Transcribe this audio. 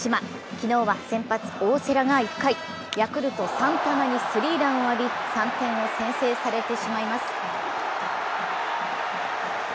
昨日は先発・大瀬良が１回、ヤクルト・サンタナにスリーランを浴び、３点を先制されてしまいます。